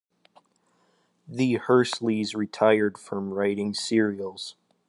The Hursleys retired from writing serials.